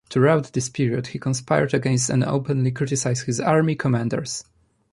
Throughout this period, he conspired against and openly criticized his army commanders.